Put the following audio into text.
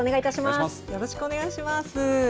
よろしくお願いします。